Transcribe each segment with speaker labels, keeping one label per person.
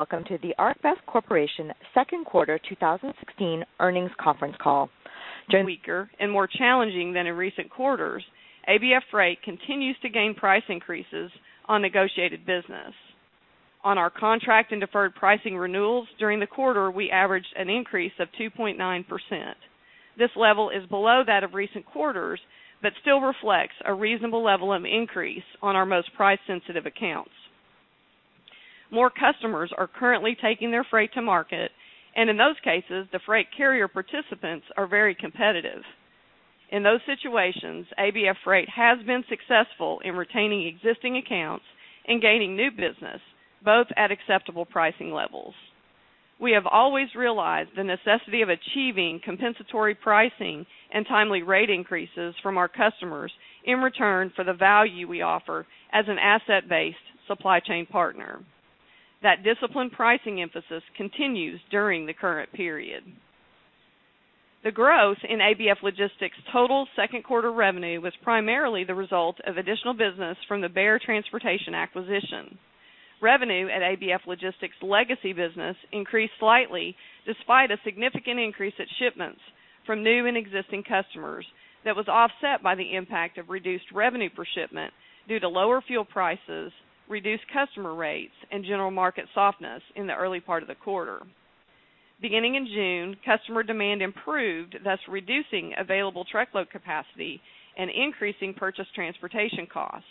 Speaker 1: Welcome to the ArcBest Corporation second quarter 2016 earnings conference call.
Speaker 2: During weaker and more challenging than in recent quarters, ABF Freight continues to gain price increases on negotiated business. On our contract and deferred pricing renewals during the quarter, we averaged an increase of 2.9%. This level is below that of recent quarters but still reflects a reasonable level of increase on our most price-sensitive accounts. More customers are currently taking their freight to market, and in those cases the freight carrier participants are very competitive. In those situations, ABF Freight has been successful in retaining existing accounts and gaining new business, both at acceptable pricing levels. We have always realized the necessity of achieving compensatory pricing and timely rate increases from our customers in return for the value we offer as an asset-based supply chain partner. That disciplined pricing emphasis continues during the current period. The growth in ABF Logistics' total second quarter revenue was primarily the result of additional business from the Bear Transportation acquisition. Revenue at ABF Logistics' legacy business increased slightly despite a significant increase at shipments from new and existing customers that was offset by the impact of reduced revenue per shipment due to lower fuel prices, reduced customer rates, and general market softness in the early part of the quarter. Beginning in June, customer demand improved, thus reducing available truckload capacity and increasing purchased transportation costs.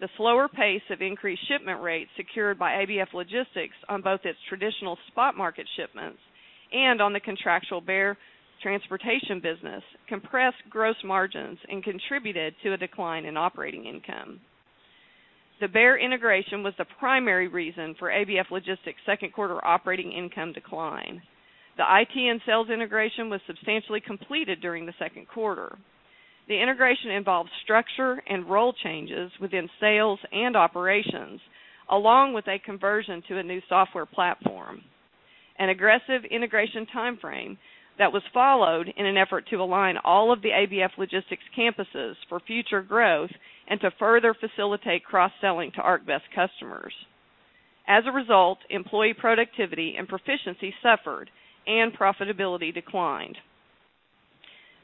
Speaker 2: The slower pace of increased shipment rates secured by ABF Logistics on both its traditional spot market shipments and on the contractual Bear Transportation business compressed gross margins and contributed to a decline in operating income. The Bear integration was the primary reason for ABF Logistics' second quarter operating income decline. The IT and sales integration was substantially completed during the second quarter. The integration involved structure and role changes within sales and operations, along with a conversion to a new software platform. An aggressive integration timeframe that was followed in an effort to align all of the ABF Logistics campuses for future growth and to further facilitate cross-selling to ArcBest customers. As a result, employee productivity and proficiency suffered, and profitability declined.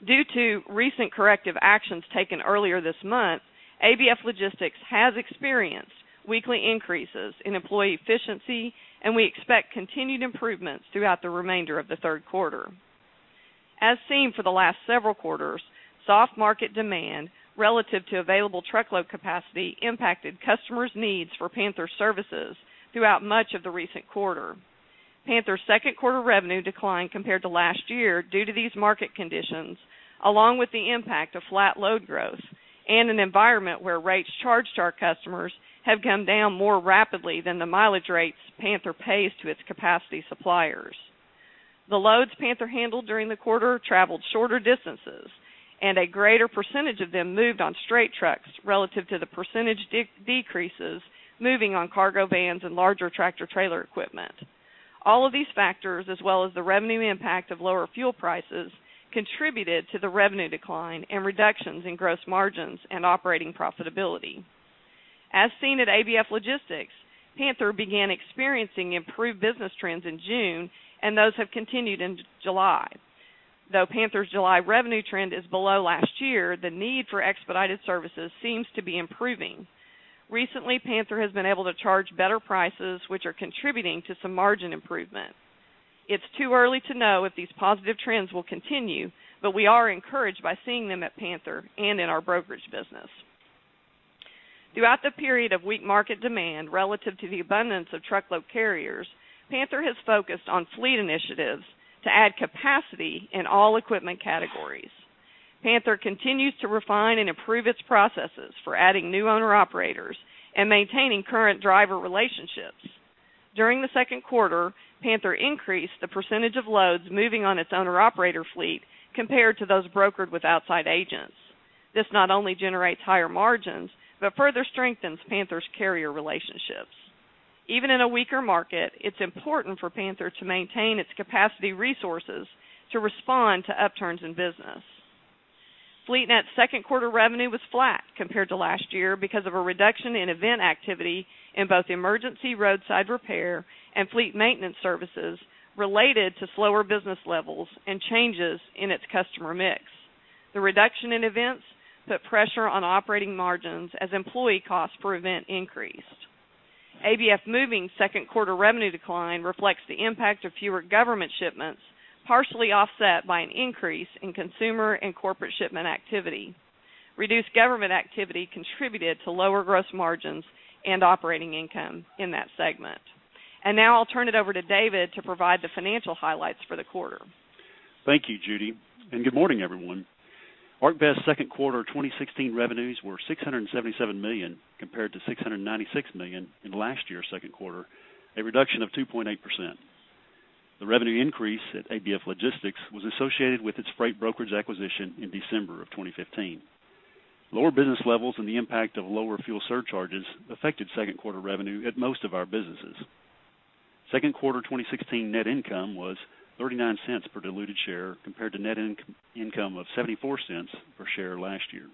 Speaker 2: Due to recent corrective actions taken earlier this month, ABF Logistics has experienced weekly increases in employee efficiency, and we expect continued improvements throughout the remainder of the third quarter. As seen for the last several quarters, soft market demand relative to available truckload capacity impacted customers' needs for Panther Premium Logistics services throughout much of the recent quarter. Panther Premium Logistics' second quarter revenue declined compared to last year due to these market conditions, along with the impact of flat load growth and an environment where rates charged to our customers have come down more rapidly than the mileage rates Panther Premium Logistics pays to its capacity suppliers. The loads Panther Premium Logistics handled during the quarter traveled shorter distances, and a greater percentage of them moved on straight trucks relative to the percentage decreases moving on cargo vans and larger tractor-trailer equipment. All of these factors, as well as the revenue impact of lower fuel prices, contributed to the revenue decline and reductions in gross margins and operating profitability. As seen at ABF Logistics, Panther Premium Logistics began experiencing improved business trends in June, and those have continued in July. Though Panther Premium Logistics' July revenue trend is below last year, the need for expedited services seems to be improving. Recently, Panther Premium Logistics has been able to charge better prices, which are contributing to some margin improvement. It is too early to know if these positive trends will continue, but we are encouraged by seeing them at Panther Premium Logistics and in our brokerage business. Throughout the period of weak market demand relative to the abundance of truckload carriers, Panther Premium Logistics has focused on fleet initiatives to add capacity in all equipment categories. Panther Premium Logistics continues to refine and improve its processes for adding new owner-operators and maintaining current driver relationships. During the second quarter, Panther Premium Logistics increased the percentage of loads moving on its owner-operator fleet compared to those brokered with outside agents. This not only generates higher margins but further strengthens Panther Premium Logistics' carrier relationships. Even in a weaker market, it is important for Panther Premium Logistics to maintain its capacity resources to respond to upturns in business. FleetNet's second quarter revenue was flat compared to last year because of a reduction in event activity in both emergency roadside repair and fleet maintenance services related to slower business levels and changes in its customer mix. The reduction in events put pressure on operating margins as employee costs per event increased. ABF Moving's second quarter revenue decline reflects the impact of fewer government shipments, partially offset by an increase in consumer and corporate shipment activity. Reduced government activity contributed to lower gross margins and operating income in that segment. And now I will turn it over to David to provide the financial highlights for the quarter.
Speaker 3: Thank you, Judy, and good morning, everyone. ArcBest's second quarter 2016 revenues were $677 million compared to $696 million in last year's second quarter, a reduction of 2.8%. The revenue increase at ABF Logistics was associated with its freight brokerage acquisition in December of 2015. Lower business levels and the impact of lower fuel surcharges affected second quarter revenue at most of our businesses. Second quarter 2016 net income was $0.39 per diluted share compared to net income of $0.74 per share last year.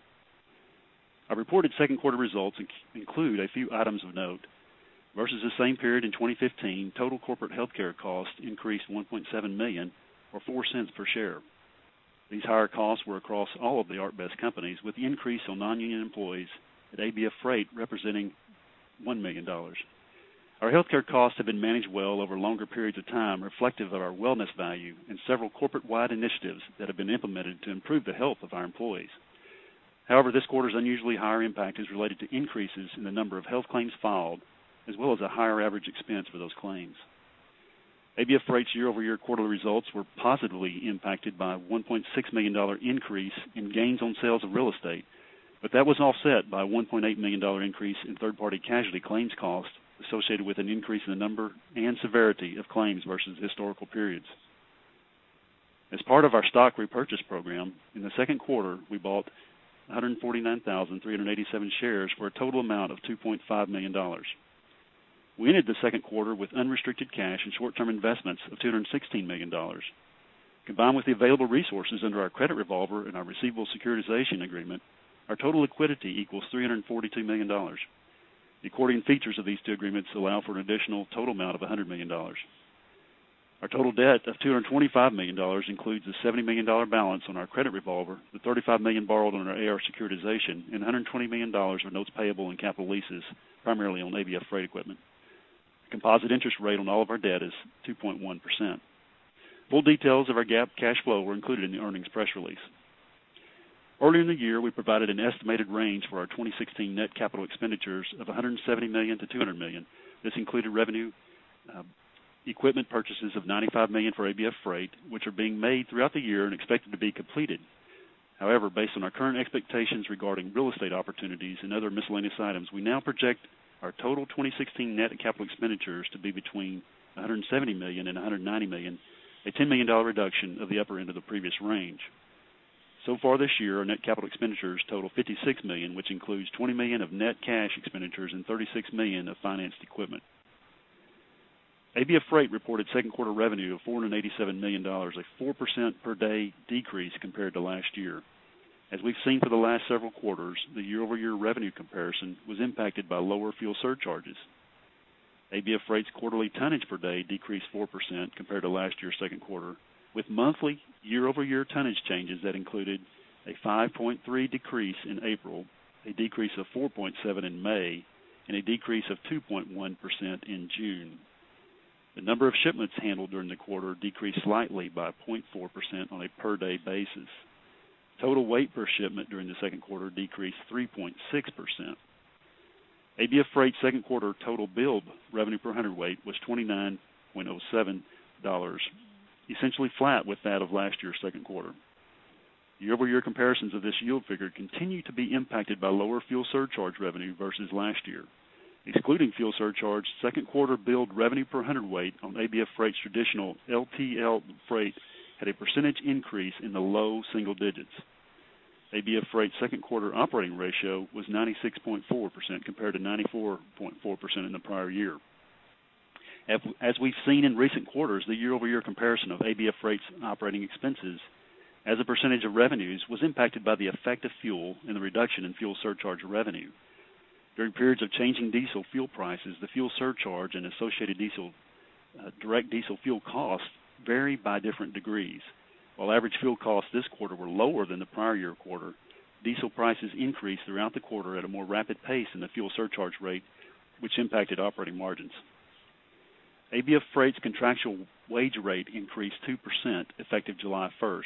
Speaker 3: Our reported second quarter results include a few items of note. Versus the same period in 2015, total corporate healthcare costs increased $1.7 million or $0.04 per share. These higher costs were across all of the ArcBest companies, with the increase on non-union employees at ABF Freight representing $1 million. Our healthcare costs have been managed well over longer periods of time, reflective of our wellness value and several corporate-wide initiatives that have been implemented to improve the health of our employees. However, this quarter's unusually higher impact is related to increases in the number of health claims filed, as well as a higher average expense for those claims. ABF Freight's year-over-year quarterly results were positively impacted by a $1.6 million increase in gains on sales of real estate, but that was offset by a $1.8 million increase in third-party casualty claims costs associated with an increase in the number and severity of claims versus historical periods. As part of our stock repurchase program, in the second quarter we bought 149,387 shares for a total amount of $2.5 million. We ended the second quarter with unrestricted cash and short-term investments of $216 million. Combined with the available resources under our credit revolver and our receivable securitization agreement, our total liquidity equals $342 million. The accordion features of these two agreements allow for an additional total amount of $100 million. Our total debt of $225 million includes a $70 million balance on our credit revolver, the $35 million borrowed on our AR securitization, and $120 million of notes payable and capital leases, primarily on ABF Freight equipment. The composite interest rate on all of our debt is 2.1%. Full details of our GAAP cash flow were included in the earnings press release. Earlier in the year, we provided an estimated range for our 2016 net capital expenditures of $170 million-$200 million. This included revenue equipment purchases of $95 million for ABF Freight, which are being made throughout the year and expected to be completed. However, based on our current expectations regarding real estate opportunities and other miscellaneous items, we now project our total 2016 net capital expenditures to be between $170 million and $190 million, a $10 million reduction of the upper end of the previous range. So far this year, our net capital expenditures total $56 million, which includes $20 million of net cash expenditures and $36 million of financed equipment. ABF Freight reported second quarter revenue of $487 million, a 4% per day decrease compared to last year. As we have seen for the last several quarters, the year-over-year revenue comparison was impacted by lower fuel surcharges. ABF Freight's quarterly tonnage per day decreased 4% compared to last year's second quarter, with monthly year-over-year tonnage changes that included a 5.3% decrease in April, a decrease of 4.7% in May, and a decrease of 2.1% in June. The number of shipments handled during the quarter decreased slightly by 0.4% on a per day basis. Total weight per shipment during the second quarter decreased 3.6%. ABF Freight's second quarter total billed revenue per hundredweight was $29.07, essentially flat with that of last year's second quarter. Year-over-year comparisons of this yield figure continue to be impacted by lower fuel surcharge revenue versus last year. Excluding fuel surcharge, second quarter billed revenue per hundredweight on ABF Freight's traditional LTL freight had a percentage increase in the low single-digits. ABF Freight's second quarter operating ratio was 96.4% compared to 94.4% in the prior year. As we have seen in recent quarters, the year-over-year comparison of ABF Freight's operating expenses as a percentage of revenues was impacted by the effect of fuel and the reduction in fuel surcharge revenue. During periods of changing diesel fuel prices, the fuel surcharge and associated direct diesel fuel costs vary by different degrees. While average fuel costs this quarter were lower than the prior year quarter, diesel prices increased throughout the quarter at a more rapid pace than the fuel surcharge rate, which impacted operating margins. ABF Freight's contractual wage rate increased 2% effective July 1st.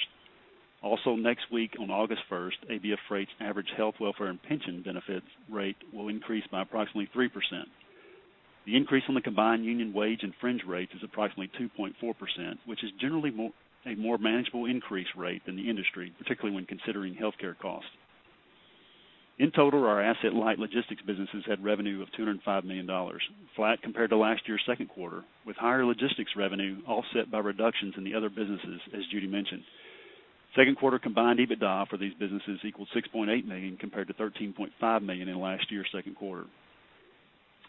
Speaker 3: Also, next week, on August 1st, ABF Freight's average health, welfare, and pension benefits rate will increase by approximately 3%. The increase on the combined union wage and fringe rates is approximately 2.4%, which is generally a more manageable increase rate than the industry, particularly when considering healthcare costs. In total, our asset-light logistics businesses had revenue of $205 million, flat compared to last year's second quarter, with higher logistics revenue offset by reductions in the other businesses, as Judy mentioned. Second quarter combined EBITDA for these businesses equaled $6.8 million compared to $13.5 million in last year's second quarter.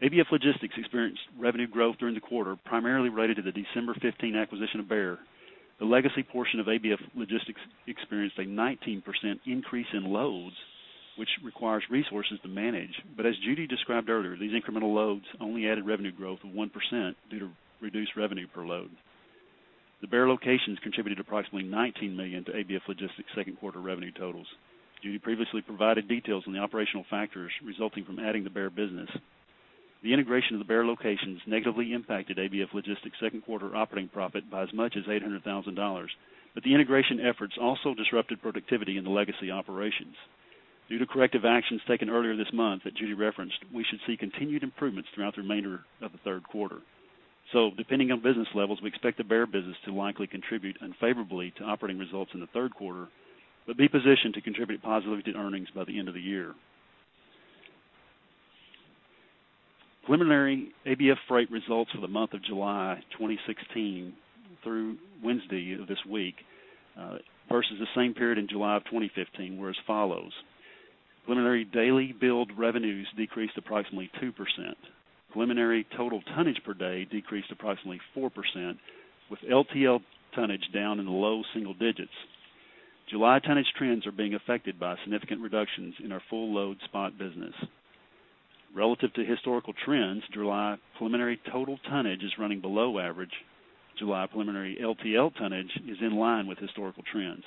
Speaker 3: ABF Logistics experienced revenue growth during the quarter, primarily related to the December 2015 acquisition of Bear Transportation. The legacy portion of ABF Logistics experienced a 19% increase in loads, which requires resources to manage, but as Judy described earlier, these incremental loads only added revenue growth of 1% due to reduced revenue per load. The Bear Transportation locations contributed approximately $19 million to ABF Logistics' second quarter revenue totals. Judy previously provided details on the operational factors resulting from adding the Bear Transportation business. The integration of the Bear Transportation locations negatively impacted ABF Logistics' second quarter operating profit by as much as $800,000, but the integration efforts also disrupted productivity in the legacy operations. Due to corrective actions taken earlier this month that Judy referenced, we should see continued improvements throughout the remainder of the third quarter. So, depending on business levels, we expect the Bear Transportation business to likely contribute unfavorably to operating results in the third quarter, but be positioned to contribute positively to earnings by the end of the year. Preliminary ABF Freight results for the month of July 2016 through Wednesday of this week versus the same period in July of 2015 were as follows. Preliminary daily billed revenues decreased approximately 2%. Preliminary total tonnage per day decreased approximately 4%, with LTL tonnage down in the low single-digits. July tonnage trends are being affected by significant reductions in our full load spot business. Relative to historical trends, July preliminary total tonnage is running below average. July preliminary LTL tonnage is in line with historical trends.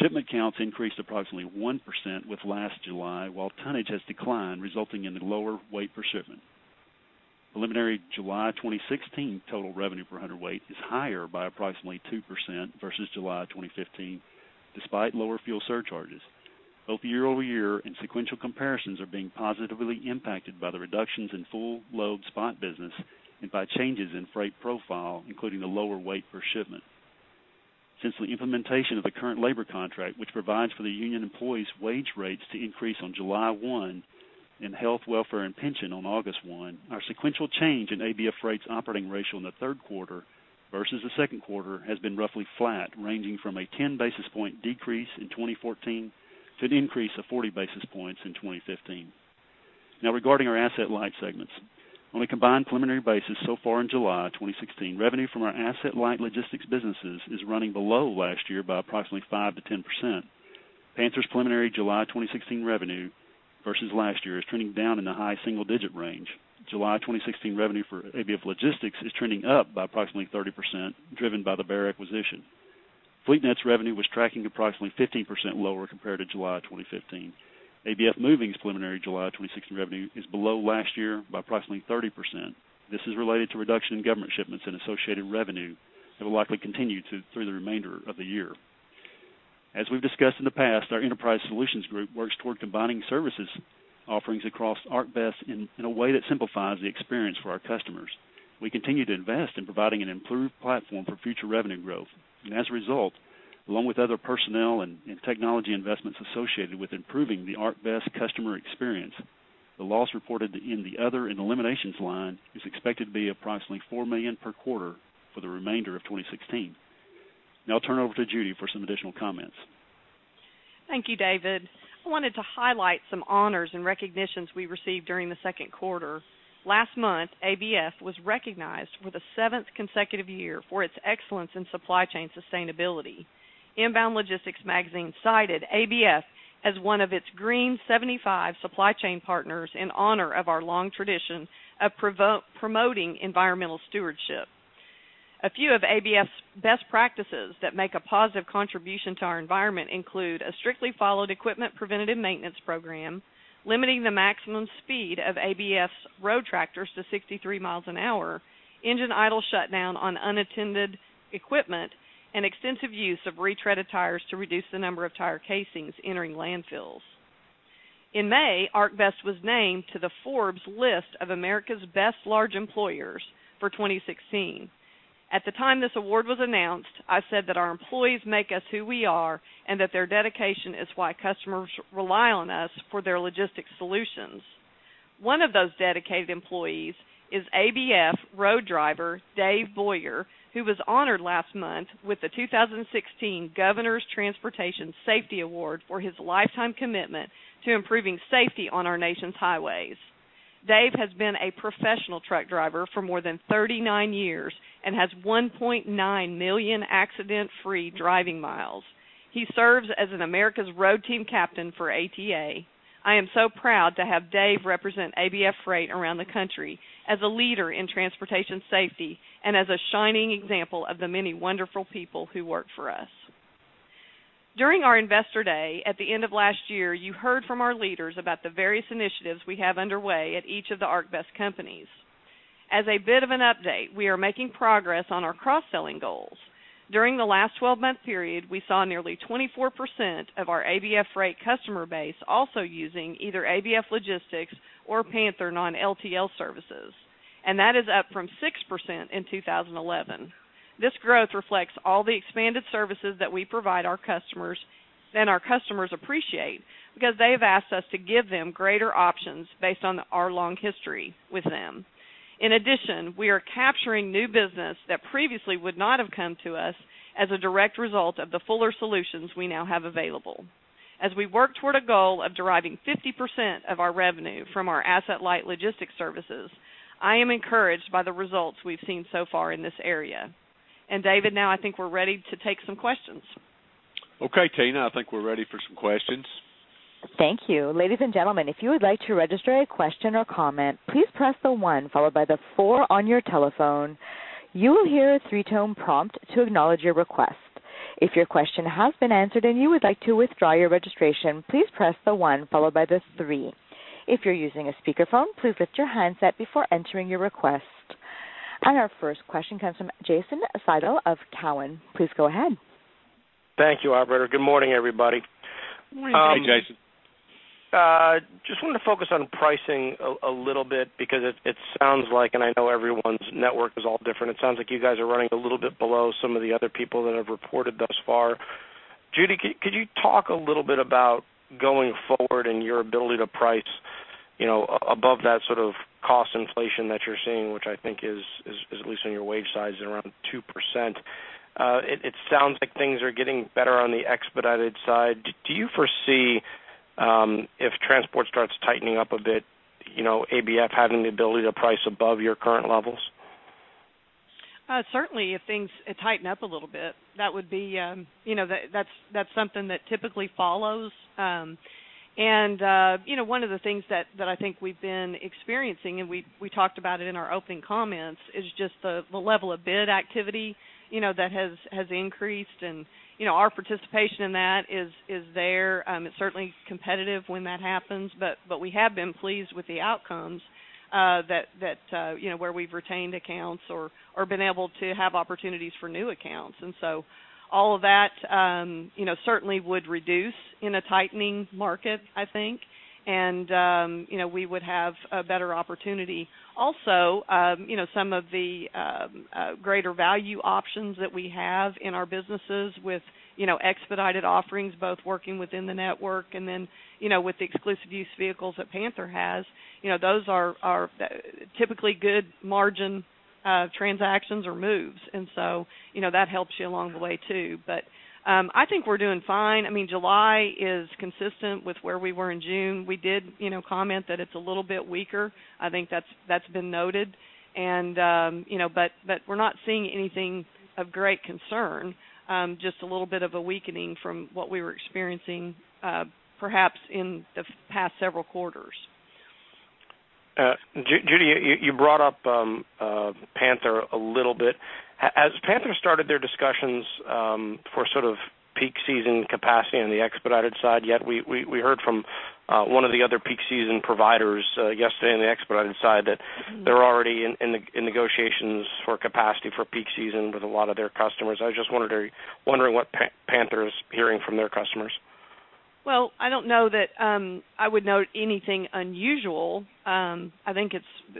Speaker 3: Shipment counts increased approximately 1% with last July, while tonnage has declined, resulting in the lower weight per shipment. Preliminary July 2016 total revenue per hundredweight is higher by approximately 2% versus July 2015, despite lower fuel surcharges. Both year-over-year and sequential comparisons are being positively impacted by the reductions in full load spot business and by changes in freight profile, including the lower weight per shipment. Since the implementation of the current labor contract, which provides for the union employees' wage rates to increase on July 1 and health, welfare, and pension on August 1, our sequential change in ABF Freight's operating ratio in the third quarter versus the second quarter has been roughly flat, ranging from a 10 basis point decrease in 2014 to an increase of 40 basis points in 2015. Now, regarding our asset-light segments, on a combined preliminary basis, so far in July 2016, revenue from our asset-light logistics businesses is running below last year by approximately 5%-10%. Panther Premium Logistics' preliminary July 2016 revenue versus last year is trending down in the high single-digit range. July 2016 revenue for ABF Logistics is trending up by approximately 30%, driven by the Bear Transportation acquisition. FleetNet's revenue was tracking approximately 15% lower compared to July 2015. ABF Moving's preliminary July 2016 revenue is below last year by approximately 30%. This is related to reduction in government shipments and associated revenue that will likely continue through the remainder of the year. As we have discussed in the past, our Enterprise Solutions Group works toward combining services offerings across ArcBest in a way that simplifies the experience for our customers. We continue to invest in providing an improved platform for future revenue growth. As a result, along with other personnel and technology investments associated with improving the ArcBest customer experience, the loss reported in the other eliminations line is expected to be approximately $4 million per quarter for the remainder of 2016. Now I will turn it over to Judy for some additional comments.
Speaker 2: Thank you, David. I wanted to highlight some honors and recognitions we received during the second quarter. Last month, ABF was recognized for the seventh consecutive year for its excellence in supply chain sustainability. Inbound Logistics magazine cited ABF as one of its Green 75 Supply Chain Partners in honor of our long tradition of promoting environmental stewardship. A few of ABF's best practices that make a positive contribution to our environment include a strictly followed equipment preventative maintenance program, limiting the maximum speed of ABF's road tractors to 63 mph, engine idle shutdown on unattended equipment, and extensive use of retreaded tires to reduce the number of tire casings entering landfills. In May, ArcBest was named to the Forbes list of America's Best Large Employers for 2016. At the time this award was announced, I said that our employees make us who we are and that their dedication is why customers rely on us for their logistics solutions. One of those dedicated employees is ABF road driver Dave Boyer, who was honored last month with the 2016 Governor's Transportation Safety Award for his lifetime commitment to improving safety on our nation's highways. Dave has been a professional truck driver for more than 39 years and has 1.9 million accident-free driving miles. He serves as an America's Road Team Captain for ATA. I am so proud to have Dave represent ABF Freight around the country as a leader in transportation safety and as a shining example of the many wonderful people who work for us. During our Investor Day at the end of last year, you heard from our leaders about the various initiatives we have underway at each of the ArcBest companies. As a bit of an update, we are making progress on our cross-selling goals. During the last 12-month period, we saw nearly 24% of our ABF Freight customer base also using either ABF Logistics or Panther Premium Logistics non-LTL services, and that is up from 6% in 2011. This growth reflects all the expanded services that we provide our customers and our customers appreciate because they have asked us to give them greater options based on our long history with them. In addition, we are capturing new business that previously would not have come to us as a direct result of the fuller solutions we now have available. As we work toward a goal of deriving 50% of our revenue from our asset-light logistics services, I am encouraged by the results we have seen so far in this area. And David, now I think we are ready to take some questions.
Speaker 3: Okay, Tina, I think we are ready for some questions.
Speaker 1: Thank you. Ladies and gentlemen, if you would like to register a question or comment, please press the one followed by the four on your telephone. You will hear a three-tone prompt to acknowledge your request. If your question has been answered and you would like to withdraw your registration, please press the one followed by the three. If you are using a speakerphone, please lift your handset before entering your request. Our first question comes from Jason Seidl of Cowen. Please go ahead.
Speaker 4: Thank you, operator. Good morning, everybody.
Speaker 2: Morning.
Speaker 3: Hi, Jason.
Speaker 5: Just wanted to focus on pricing a little bit because it sounds like, and I know everyone's network is all different, it sounds like you guys are running a little bit below some of the other people that have reported thus far. Judy, could you talk a little bit about going forward and your ability to price above that sort of cost inflation that you are seeing, which I think is at least on your wage sides at around 2%? It sounds like things are getting better on the expedited side. Do you foresee if transport starts tightening up a bit, ABF having the ability to price above your current levels?
Speaker 2: Certainly, if things tighten up a little bit, that would be that is something that typically follows. One of the things that I think we have been experiencing, and we talked about it in our opening comments, is just the level of bid activity that has increased. Our participation in that is there. It is certainly competitive when that happens, but we have been pleased with the outcomes where we have retained accounts or been able to have opportunities for new accounts. So all of that certainly would reduce in a tightening market, I think, and we would have a better opportunity. Also, some of the greater value options that we have in our businesses with expedited offerings, both working within the network and then with the exclusive use vehicles that Panther Premium Logistics has, those are typically good margin transactions or moves. And so that helps you along the way too. But I think we are doing fine. I mean, July is consistent with where we were in June. We did comment that it is a little bit weaker. I think that has been noted. But we are not seeing anything of great concern, just a little bit of a weakening from what we were experiencing perhaps in the past several quarters.
Speaker 4: Judy, you brought up Panther Premium Logistics a little bit. As Panther Premium Logistics started their discussions for sort of peak season capacity on the expedited side, yet we heard from one of the other peak season providers yesterday on the expedited side that they are already in negotiations for capacity for peak season with a lot of their customers. I was just wondering what Panther Premium Logistics is hearing from their customers?
Speaker 2: Well, I do not know that I would note anything unusual. I think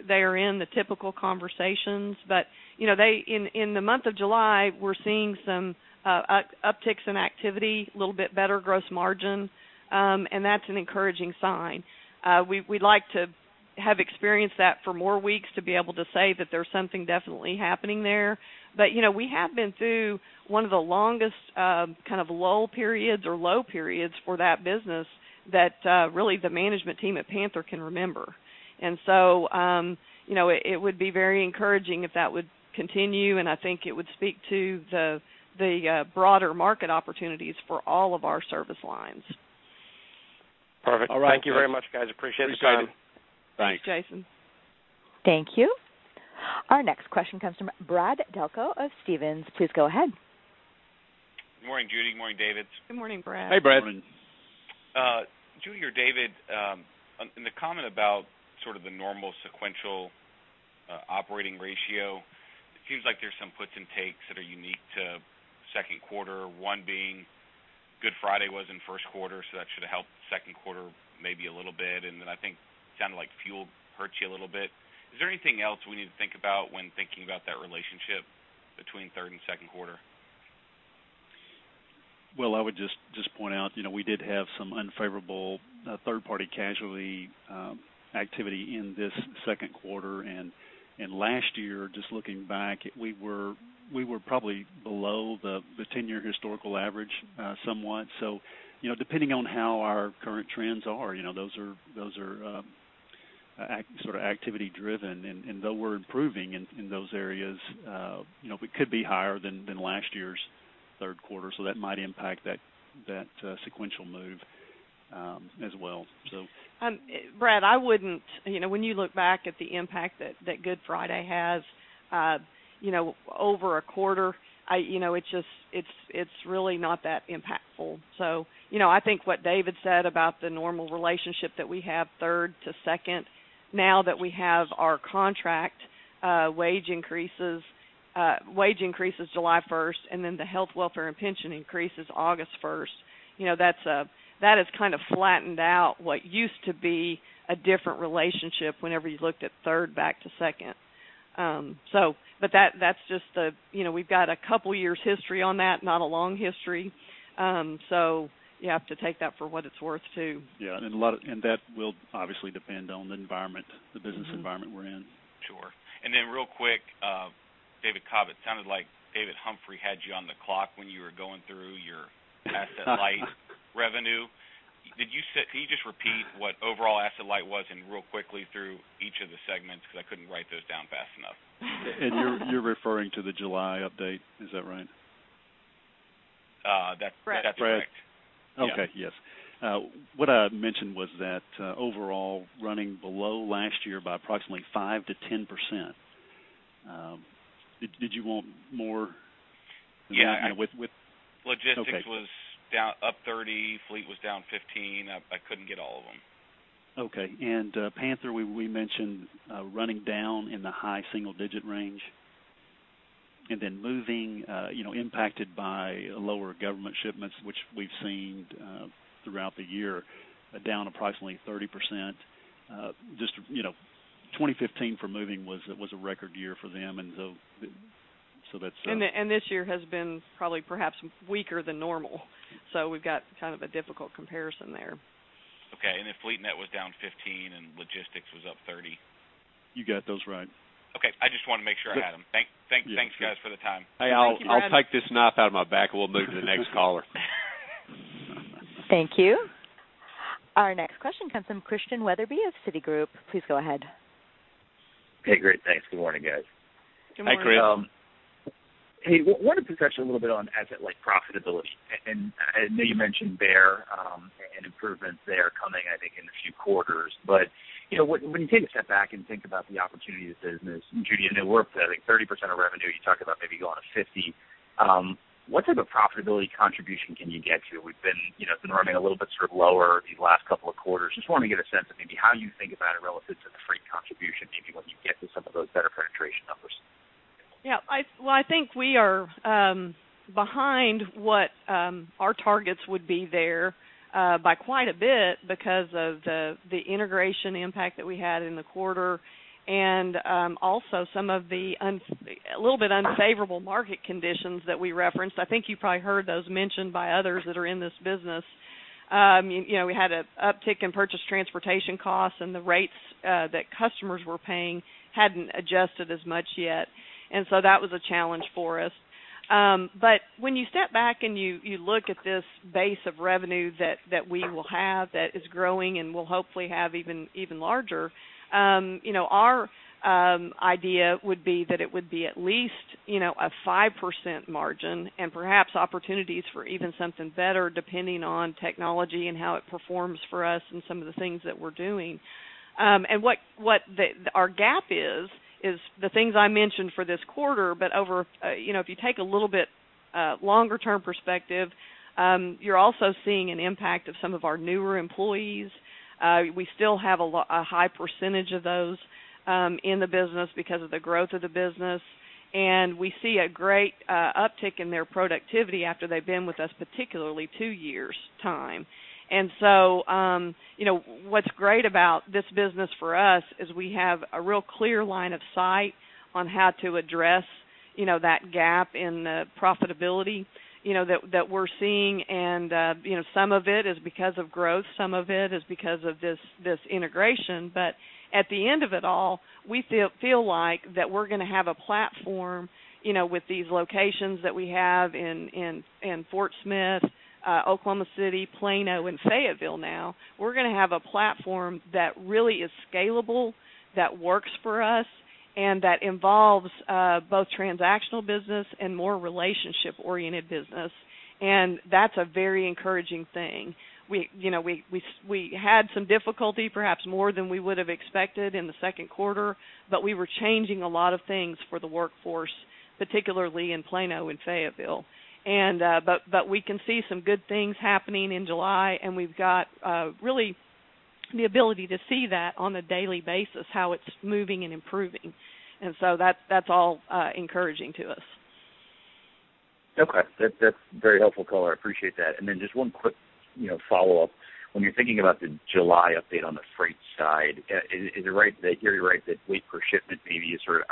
Speaker 2: they are in the typical conversations. But in the month of July, we are seeing some upticks in activity, a little bit better gross margin, and that is an encouraging sign. We would like to have experienced that for more weeks to be able to say that there is something definitely happening there. But we have been through one of the longest kind of lull periods or low periods for that business that really the management team at Panther Premium Logistics can remember. And so it would be very encouraging if that would continue, and I think it would speak to the broader market opportunities for all of our service lines.
Speaker 4: Perfect. Thank you very much, guys. Appreciate the time.
Speaker 3: Appreciate you.
Speaker 2: Thanks.
Speaker 3: Thanks, Jason.
Speaker 1: Thank you. Our next question comes from Brad Delco of Stephens. Please go ahead.
Speaker 6: Good morning, Judy. Good morning, David.
Speaker 2: Good morning, Brad.
Speaker 3: Hey, Brad. Good morning.
Speaker 6: Judy or David, in the comment about sort of the normal sequential operating ratio, it seems like there are some puts and takes that are unique to second quarter, one being Good Friday was in first quarter, so that should have helped second quarter maybe a little bit, and then I think it sounded like fuel hurt you a little bit. Is there anything else we need to think about when thinking about that relationship between third and second quarter?
Speaker 3: Well, I would just point out we did have some unfavorable third-party casualty activity in this second quarter. Last year, just looking back, we were probably below the 10-year historical average somewhat. Depending on how our current trends are, those are sort of activity-driven, and though we are improving in those areas, it could be higher than last year's third quarter, so that might impact that sequential move as well.
Speaker 2: Brad, I would not when you look back at the impact that Good Friday has over a quarter, it is really not that impactful. So I think what David said about the normal relationship that we have third to second, now that we have our contract wage increases July 1st and then the health, welfare, and pension increases August 1st, that has kind of flattened out what used to be a different relationship whenever you looked at third back to second. But that is just the we have got a couple of years' history on that, not a long history. So you have to take that for what it is worth too.
Speaker 3: Yeah, and that will obviously depend on the environment, the business environment we are in.
Speaker 6: Sure. And then real quick, David Cobb, it sounded like David Humphrey had you on the clock when you were going through your asset-light revenue. Can you just repeat what overall asset-light was and real quickly through each of the segments because I could not write those down fast enough?
Speaker 3: You are referring to the July update. Is that right?
Speaker 6: That is correct.
Speaker 3: Correct. Okay, yes. What I mentioned was that overall running below last year by approximately 5%-10%. Did you want more?
Speaker 6: Yeah. Logistics was up 30%, fleet was down 15%. I could not get all of them.
Speaker 3: Okay. And Panther Premium Logistics, we mentioned running down in the high single-digit range. And then moving impacted by lower government shipments, which we have seen throughout the year down approximately 30%. Just 2015 for moving was a record year for them, and so that is.
Speaker 2: This year has been probably perhaps weaker than normal. We have got kind of a difficult comparison there.
Speaker 6: Okay. And then FleetNet was down 15% and logistics was up 30%.
Speaker 3: You got those right.
Speaker 6: Okay. I just want to make sure I had them. Thanks, guys, for the time.
Speaker 3: Hey, I will take this knot out of my back and we will move to the next caller.
Speaker 1: Thank you. Our next question comes from Christian Wetherbee of Citigroup. Please go ahead.
Speaker 7: Hey, great. Thanks. Good morning, guys.
Speaker 2: Good morning, Chris.
Speaker 7: Hey, I wanted to touch a little bit on asset-light profitability. And I know you mentioned Bear Transportation and improvements there coming, I think, in a few quarters. But when you take a step back and think about the opportunity of the business, and Judy, I know we are up to, I think, 30% of revenue. You talked about maybe going to 50%. What type of profitability contribution can you get to? It has been running a little bit sort of lower these last couple of quarters. Just want to get a sense of maybe how you think about it relative to the freight contribution maybe when you get to some of those better penetration numbers.
Speaker 2: Yeah. Well, I think we are behind what our targets would be there by quite a bit because of the integration impact that we had in the quarter and also some of the a little bit unfavorable market conditions that we referenced. I think you probably heard those mentioned by others that are in this business. We had an uptick in purchased transportation costs, and the rates that customers were paying had not adjusted as much yet. And so that was a challenge for us. But when you step back and you look at this base of revenue that we will have that is growing and will hopefully have even larger, our idea would be that it would be at least a 5% margin and perhaps opportunities for even something better depending on technology and how it performs for us and some of the things that we are doing. What our gap is, is the things I mentioned for this quarter, but over, if you take a little bit longer-term perspective, you are also seeing an impact of some of our newer employees. We still have a high percentage of those in the business because of the growth of the business, and we see a great uptick in their productivity after they have been with us particularly two years' time. What is great about this business for us is we have a real clear line of sight on how to address that gap in the profitability that we are seeing. Some of it is because of growth, some of it is because of this integration. At the end of it all, we feel like that we are going to have a platform with these locations that we have in Fort Smith, Oklahoma City, Plano, and Fayetteville now. We are going to have a platform that really is scalable, that works for us, and that involves both transactional business and more relationship-oriented business. That is a very encouraging thing. We had some difficulty, perhaps more than we would have expected in the second quarter, but we were changing a lot of things for the workforce, particularly in Plano and Fayetteville. But we can see some good things happening in July, and we have got really the ability to see that on a daily basis, how it is moving and improving. That is all encouraging to us.
Speaker 7: Okay. That is a very helpful color. I appreciate that. And then just one quick follow-up. When you are thinking about the July update on the freight side, is it right that yeah, you're right that weight per shipment maybe is sort of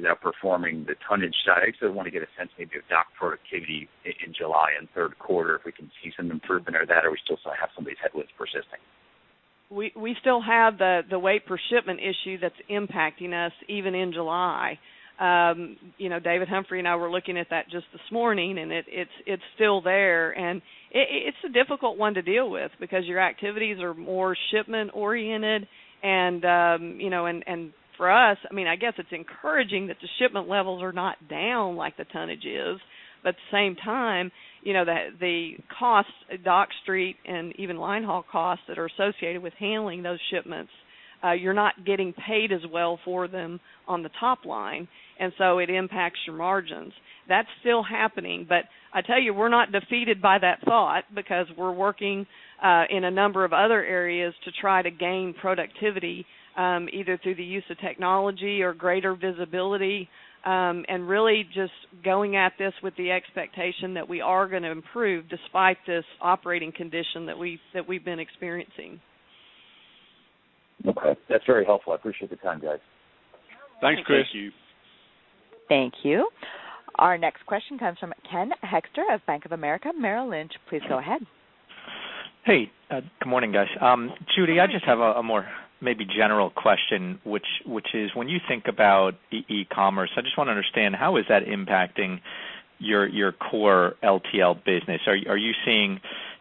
Speaker 7: outperforming the tonnage side? I just sort of want to get a sense maybe of dock productivity in July and third quarter if we can see some improvement or that, or we still have some headwinds persisting?
Speaker 2: We still have the weight per shipment issue that is impacting us even in July. David Humphrey and I were looking at that just this morning, and it is still there. And it is a difficult one to deal with because your activities are more shipment-oriented. And for us, I mean, I guess it is encouraging that the shipment levels are not down like the tonnage is, but at the same time, the cost, dock, street, and even linehaul costs that are associated with handling those shipments, you are not getting paid as well for them on the top-line. And so it impacts your margins. That is still happening. But I tell you, we are not defeated by that thought because we are working in a number of other areas to try to gain productivity either through the use of technology or greater visibility and really just going at this with the expectation that we are going to improve despite this operating condition that we have been experiencing.
Speaker 7: Okay. That is very helpful. I appreciate the time, guys.
Speaker 3: Thanks, Chris.
Speaker 7: Thank you.
Speaker 1: Thank you. Our next question comes from Ken Hoexter of Bank of America Merrill Lynch. Please go ahead.
Speaker 8: Hey. Good morning, guys. Judy, I just have a more maybe general question, which is when you think about e-commerce, I just want to understand how is that impacting your core LTL business? Are you seeing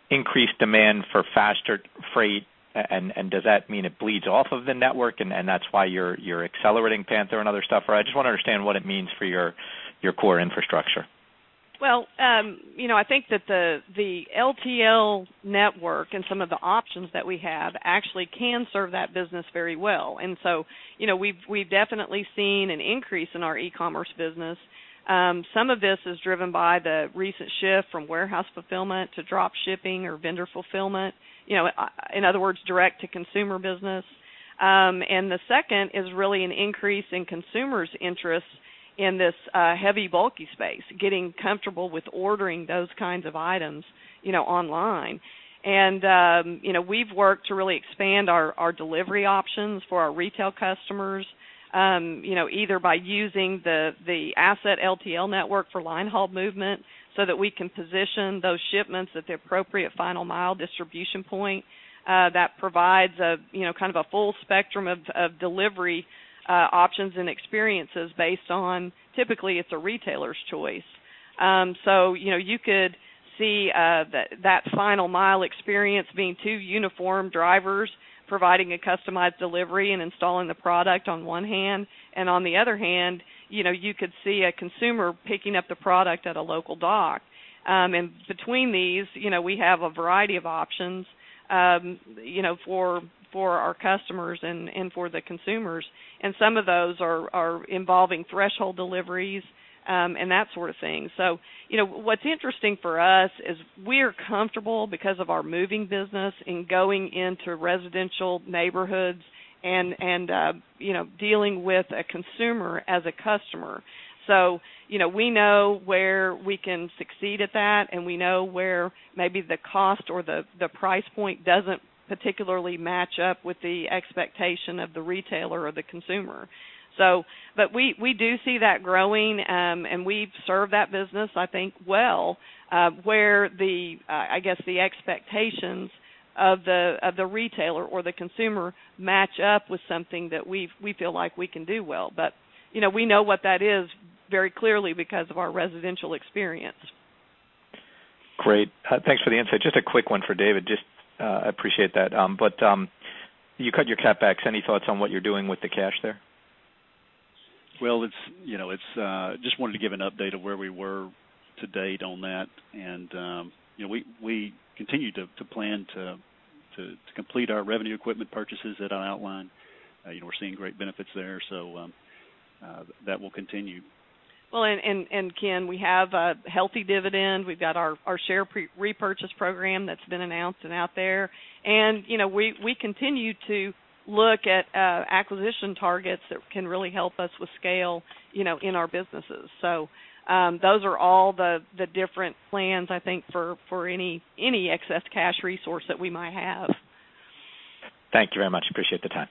Speaker 8: increased demand for faster freight, and does that mean it bleeds off of the network and that is why you are accelerating Panther Premium Logistics and other stuff? Or I just want to understand what it means for your core infrastructure.
Speaker 2: Well, I think that the LTL network and some of the options that we have actually can serve that business very well. So we have definitely seen an increase in our e-commerce business. Some of this is driven by the recent shift from warehouse fulfillment to drop shipping or vendor fulfillment, in other words, direct to consumer business. The second is really an increase in consumers' interest in this heavy, bulky space, getting comfortable with ordering those kinds of items online. We have worked to really expand our delivery options for our retail customers either by using the asset LTL network for linehaul movement so that we can position those shipments at the appropriate final mile distribution point that provides kind of a full spectrum of delivery options and experiences based on, typically, it is a retailer's choice. So you could see that final mile experience being two uniform drivers providing a customized delivery and installing the product on one hand. And on the other hand, you could see a consumer picking up the product at a local dock. And between these, we have a variety of options for our customers and for the consumers. And some of those are involving threshold deliveries and that sort of thing. So what is interesting for us is we are comfortable because of our moving business and going into residential neighborhoods and dealing with a consumer as a customer. So we know where we can succeed at that, and we know where maybe the cost or the price point does not particularly match up with the expectation of the retailer or the consumer. But we do see that growing, and we have served that business, I think, well where I guess the expectations of the retailer or the consumer match up with something that we feel like we can do well. But we know what that is very clearly because of our residential experience.
Speaker 8: Great. Thanks for the insight. Just a quick one for David. Just appreciate that. But you cut your CapEx back. Any thoughts on what you are doing with the cash there?
Speaker 3: Well, I just wanted to give an update of where we were to date on that. We continue to plan to complete our revenue equipment purchases that I outlined. We are seeing great benefits there, so that will continue.
Speaker 2: Well, and Ken, we have a healthy dividend. We have got our share repurchase program that has been announced and out there. And we continue to look at acquisition targets that can really help us with scale in our businesses. So those are all the different plans, I think, for any excess cash resource that we might have.
Speaker 8: Thank you very much. Appreciate the time.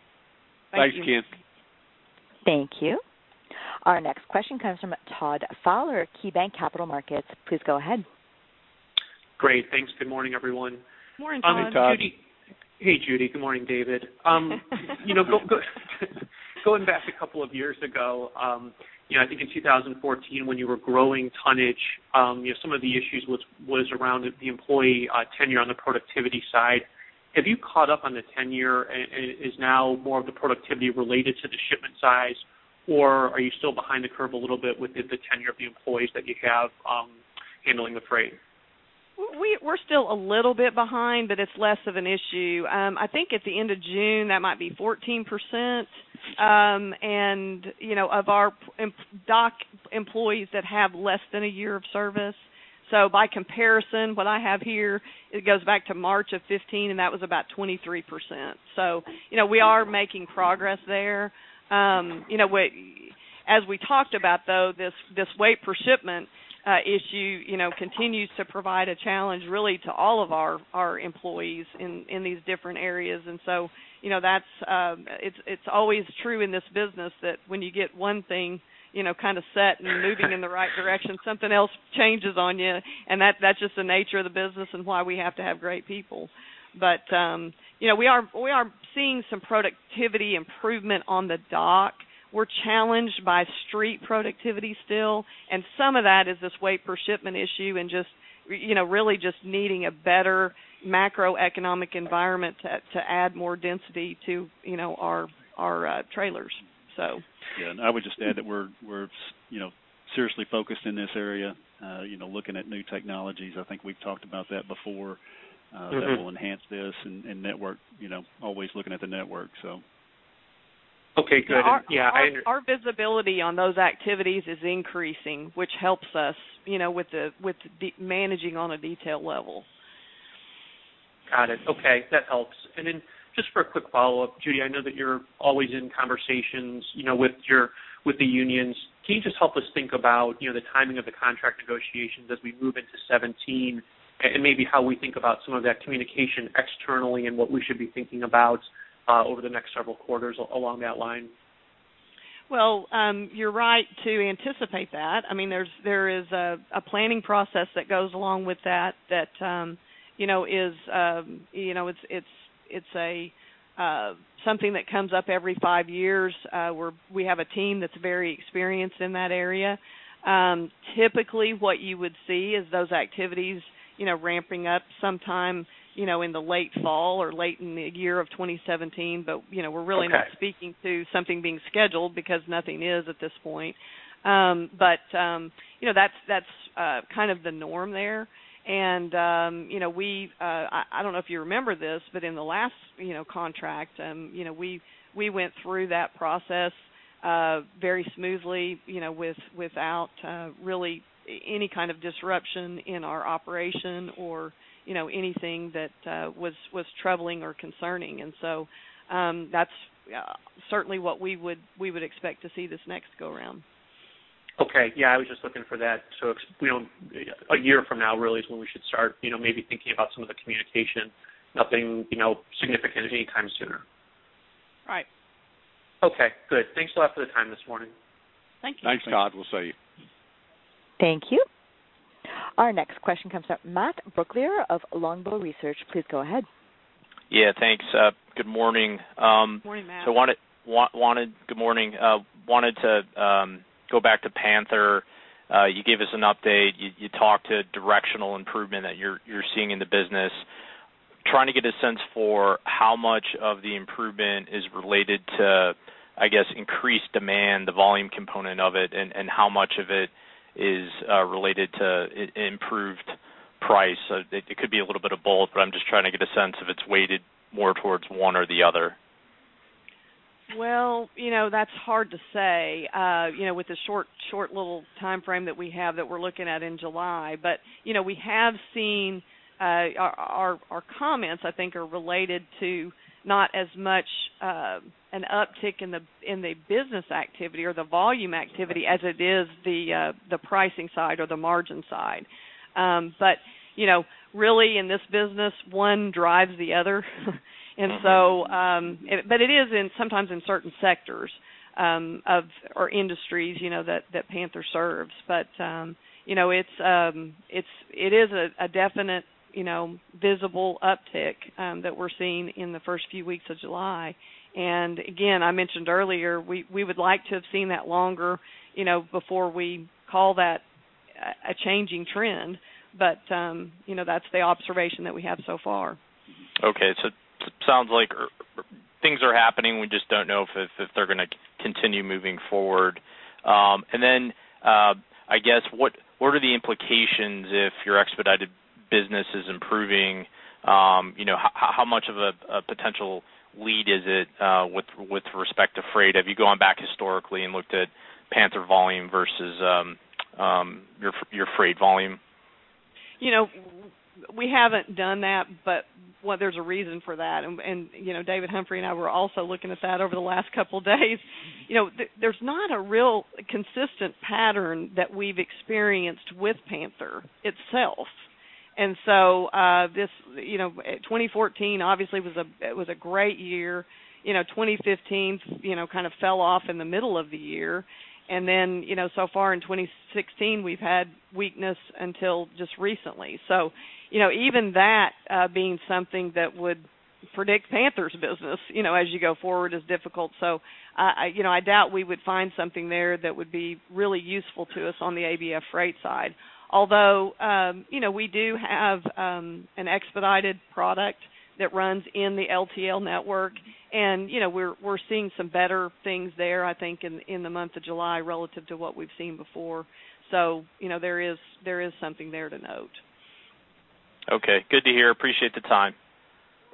Speaker 2: Thank you.
Speaker 3: Thanks, Ken.
Speaker 1: Thank you. Our next question comes from Todd Fowler, KeyBanc Capital Markets. Please go ahead.
Speaker 9: Great. Thanks. Good morning, everyone.
Speaker 2: Morning, Todd.
Speaker 9: Hey, Judy. Good morning, David. Going back a couple of years ago, I think in 2014 when you were growing tonnage, some of the issues were around the employee tenure on the productivity side. Have you caught up on the tenure? Is now more of the productivity related to the shipment size, or are you still behind the curve a little bit with the tenure of the employees that you have handling the freight?
Speaker 2: We are still a little bit behind, but it is less of an issue. I think at the end of June, that might be 14% of our dock employees that have less than a year of service. So by comparison, what I have here, it goes back to March of 2015, and that was about 23%. So we are making progress there. As we talked about, though, this weight per shipment issue continues to provide a challenge really to all of our employees in these different areas. And so it is always true in this business that when you get one thing kind of set and moving in the right direction, something else changes on you. And that is just the nature of the business and why we have to have great people. But we are seeing some productivity improvement on the dock. We are challenged by street productivity still, and some of that is this weight per shipment issue and really just needing a better macroeconomic environment to add more density to our trailers, so.
Speaker 3: Yeah. I would just add that we are seriously focused in this area, looking at new technologies. I think we have talked about that before that will enhance this and network, always looking at the network, so.
Speaker 9: Okay. Good. Yeah. I understand.
Speaker 2: Our visibility on those activities is increasing, which helps us with managing on a detail level.
Speaker 9: Got it. Okay. That helps. And then just for a quick follow-up, Judy, I know that you are always in conversations with the unions. Can you just help us think about the timing of the contract negotiations as we move into 2017 and maybe how we think about some of that communication externally and what we should be thinking about over the next several quarters along that line?
Speaker 2: Well, you are right to anticipate that. I mean, there is a planning process that goes along with that. It is something that comes up every five years. We have a team that is very experienced in that area. Typically, what you would see is those activities ramping up sometime in the late fall or late in the year of 2017. But we are really not speaking to something being scheduled because nothing is at this point. But that is kind of the norm there. And I don't know if you remember this, but in the last contract, we went through that process very smoothly without really any kind of disruption in our operation or anything that was troubling or concerning. And so that is certainly what we would expect to see this next go-around.
Speaker 9: Okay. Yeah. I was just looking for that. So a year from now really is when we should start maybe thinking about some of the communication. Nothing significant anytime sooner.
Speaker 2: Right.
Speaker 9: Okay. Good. Thanks a lot for the time this morning.
Speaker 2: Thank you.
Speaker 3: Thanks, Todd. We will see you.
Speaker 1: Thank you. Our next question comes from Matt Brooklier of Longbow Research. Please go ahead.
Speaker 10: Yeah. Thanks. Good morning.
Speaker 2: Morning, Matt.
Speaker 10: Good morning. Wanted to go back to Panther Premium Logistics. You gave us an update. You talked to directional improvement that you are seeing in the business. Trying to get a sense for how much of the improvement is related to, I guess, increased demand, the volume component of it, and how much of it is related to improved price. It could be a little bit of both, but I am just trying to get a sense if it is weighted more towards one or the other.
Speaker 2: Well, that is hard to say with the short little time frame that we have that we are looking at in July. But we have seen our comments, I think, are related to not as much an uptick in the business activity or the volume activity as it is the pricing side or the margin side. But really, in this business, one drives the other. And so but it is sometimes in certain sectors or industries that Panther Premium Logistics serves. But it is a definite visible uptick that we are seeing in the first few weeks of July. And again, I mentioned earlier, we would like to have seen that longer before we call that a changing trend. But that is the observation that we have so far.
Speaker 10: Okay. So it sounds like things are happening. We just don't know if they are going to continue moving forward. And then I guess what are the implications if your expedited business is improving? How much of a potential lead is it with respect to freight? Have you gone back historically and looked at Panther Premium Logistics volume versus your freight volume?
Speaker 2: We haven't done that, but there is a reason for that. David Humphrey and I were also looking at that over the last couple of days. There is not a real consistent pattern that we have experienced with Panther Premium Logistics itself. So this 2014 obviously was a great year. 2015 kind of fell off in the middle of the year. Then so far in 2016, we have had weakness until just recently. So even that being something that would predict Panther Premium Logistics' business as you go forward is difficult. So I doubt we would find something there that would be really useful to us on the ABF Freight side. Although we do have an expedited product that runs in the LTL network, and we are seeing some better things there, I think, in the month of July relative to what we have seen before. There is something there to note.
Speaker 10: Okay. Good to hear. Appreciate the time.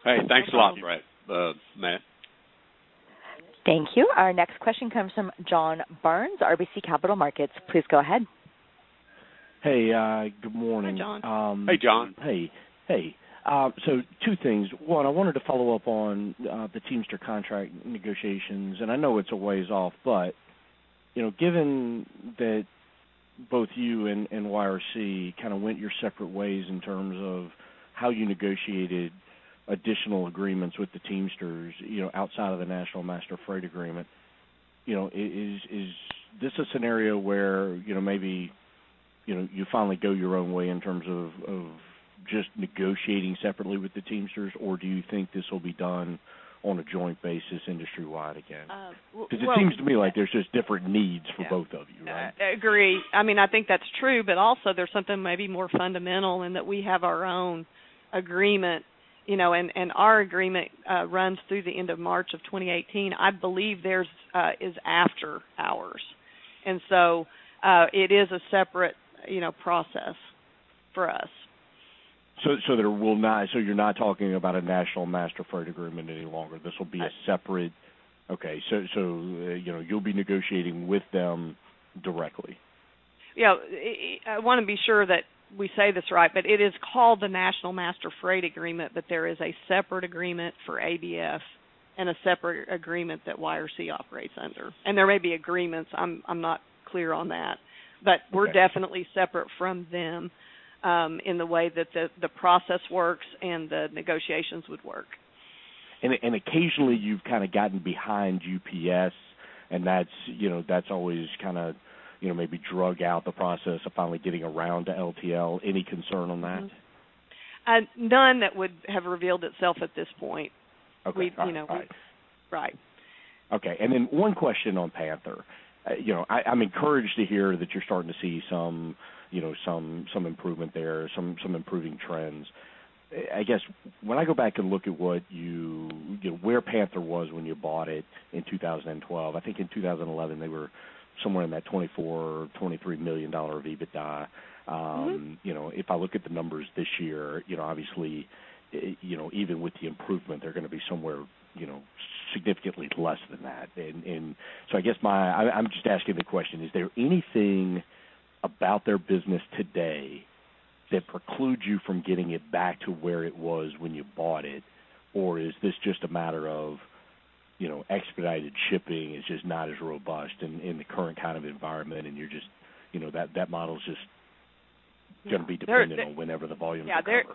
Speaker 3: All right. Thanks a lot, Matt.
Speaker 1: Thank you. Our next question comes from John Barnes, RBC Capital Markets. Please go ahead.
Speaker 4: Hey. Good morning.
Speaker 2: Hi, John.
Speaker 3: Hey, John.
Speaker 4: Hey. Hey. So two things. One, I wanted to follow up on the Teamsters contract negotiations. And I know it is a ways off, but given that both you and YRC kind of went your separate ways in terms of how you negotiated additional agreements with the Teamsters outside of the National Master Freight Agreement, is this a scenario where maybe you finally go your own way in terms of just negotiating separately with the Teamsters, or do you think this will be done on a joint basis industry-wide again? Because it seems to me like there is just different needs for both of you, right?
Speaker 2: I agree. I mean, I think that is true, but also there is something maybe more fundamental in that we have our own agreement. Our agreement runs through the end of March of 2018. I believe there is after hours. So it is a separate process for us.
Speaker 4: So, there will not, you are not talking about a National Master Freight Agreement any longer? This will be a separate, okay. So, you will be negotiating with them directly?
Speaker 2: Yeah. I want to be sure that we say this right, but it is called the National Master Freight Agreement, but there is a separate agreement for ABF and a separate agreement that YRC operates under. And there may be agreements. I am not clear on that. But we are definitely separate from them in the way that the process works and the negotiations would work.
Speaker 4: Occasionally, you have kind of gotten behind UPS, and that is always kind of maybe dragged out the process of finally getting around to LTL. Any concern on that?
Speaker 2: None that would have revealed itself at this point.
Speaker 4: Okay. Got it.
Speaker 2: Right.
Speaker 4: Okay. And then one question on Panther Premium Logistics. I am encouraged to hear that you are starting to see some improvement there, some improving trends. I guess when I go back and look at where Panther Premium Logistics was when you bought it in 2012, I think in 2011, they were somewhere in that $23 million-$24 million of EBITDA. If I look at the numbers this year, obviously, even with the improvement, they are going to be somewhere significantly less than that. And so I guess I am just asking the question, is there anything about their business today that precludes you from getting it back to where it was when you bought it, or is this just a matter of expedited shipping? It is just not as robust in the current kind of environment, and you are just that model is just going to be dependent on whenever the volumes are lower?
Speaker 2: Yeah.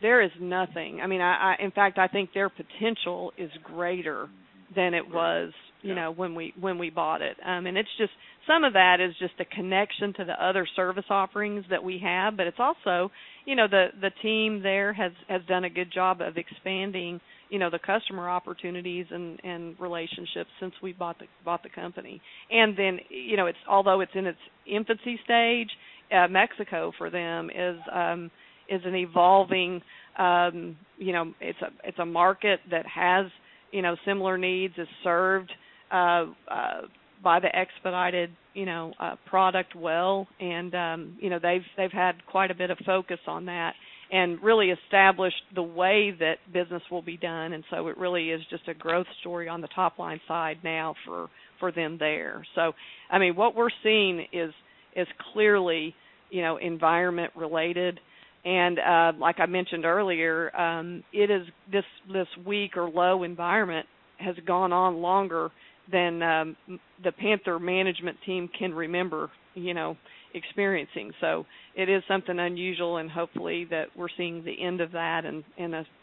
Speaker 2: There is nothing. I mean, in fact, I think their potential is greater than it was when we bought it. And it is just some of that is just a connection to the other service offerings that we have, but it is also the team there has done a good job of expanding the customer opportunities and relationships since we bought the company. And then although it is in its infancy stage, Mexico for them is an evolving, it is a market that has similar needs, is served by the expedited product well, and they have had quite a bit of focus on that and really established the way that business will be done. And so it really is just a growth story on the top-line side now for them there. So I mean, what we are seeing is clearly environment-related. Like I mentioned earlier, this weak or low environment has gone on longer than the Panther Premium Logistics management team can remember experiencing. It is something unusual, and hopefully, that we are seeing the end of that and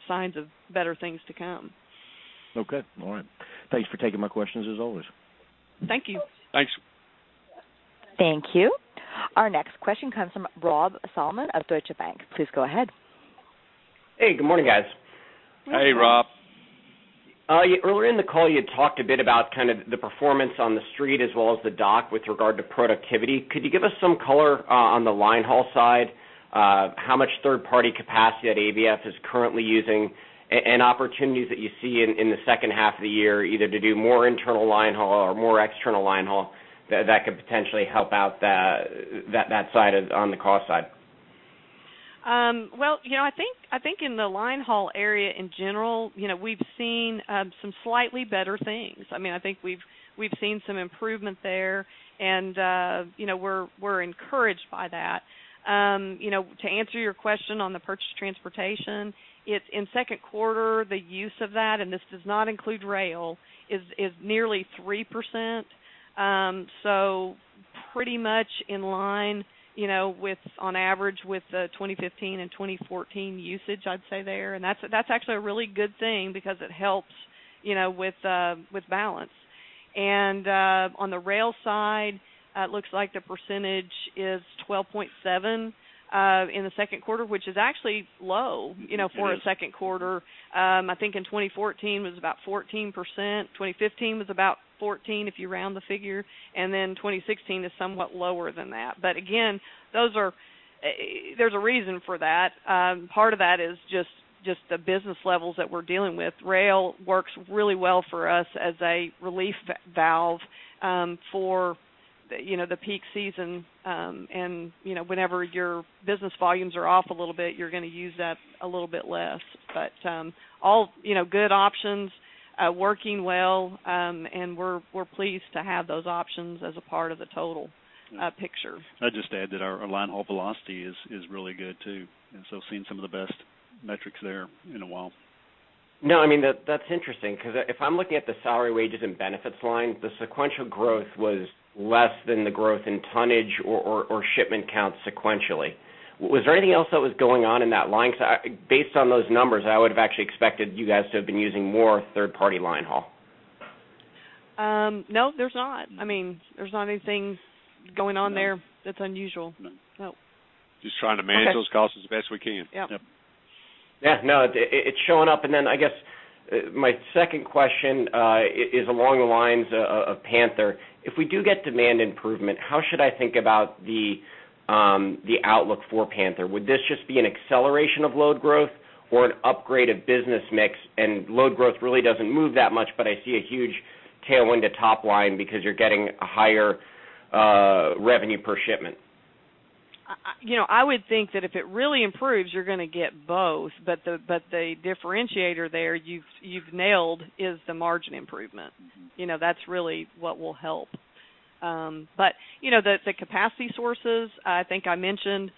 Speaker 2: signs of better things to come.
Speaker 4: Okay. All right. Thanks for taking my questions as always.
Speaker 2: Thank you.
Speaker 3: Thanks.
Speaker 1: Thank you. Our next question comes from Rob Salmon of Deutsche Bank. Please go ahead.
Speaker 11: Hey. Good morning, guys.
Speaker 3: Hey, Rob.
Speaker 11: Earlier in the call, you had talked a bit about kind of the performance on the street as well as the dock with regard to productivity. Could you give us some color on the linehaul side, how much third-party capacity that ABF is currently using, and opportunities that you see in the second half of the year either to do more internal linehaul or more external linehaul that could potentially help out that side on the cost side?
Speaker 2: Well, I think in the linehaul area in general, we have seen some slightly better things. I mean, I think we have seen some improvement there, and we are encouraged by that. To answer your question on the purchased transportation, in second quarter, the use of that, and this does not include rail, is nearly 3%. So pretty much in line with on average with the 2015 and 2014 usage, I would say there. And that is actually a really good thing because it helps with balance. And on the rail side, it looks like the percentage is 12.7% in the second quarter, which is actually low for a second quarter. I think in 2014, it was about 14%. 2015 was about 14% if you round the figure. And then 2016 is somewhat lower than that. But again, there is a reason for that. Part of that is just the business levels that we are dealing with. Rail works really well for us as a relief valve for the peak season. And whenever your business volumes are off a little bit, you are going to use that a little bit less. But all good options, working well, and we are pleased to have those options as a part of the total picture.
Speaker 3: I would just add that our linehaul velocity is really good too. And so we have seen some of the best metrics there in a while.
Speaker 11: No. I mean, that is interesting because if I am looking at the salary wages and benefits line, the sequential growth was less than the growth in tonnage or shipment counts sequentially. Was there anything else that was going on in that line? Because based on those numbers, I would have actually expected you guys to have been using more third-party linehaul.
Speaker 2: No. There is not. I mean, there is not anything going on there that is unusual. No.
Speaker 3: Just trying to manage those costs as best we can.
Speaker 2: Yep.
Speaker 11: Yeah. No. It is showing up. And then I guess my second question is along the lines of Panther Premium Logistics. If we do get demand improvement, how should I think about the outlook for Panther Premium Logistics? Would this just be an acceleration of load growth or an upgrade of business mix? And load growth really does not move that much, but I see a huge tailwind to top-line because you are getting a higher revenue per shipment.
Speaker 2: I would think that if it really improves, you are going to get both. But the differentiator there you have nailed is the margin improvement. That is really what will help. But the capacity sources, I think I mentioned